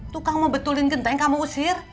tukang mau betulin genteng kamu usir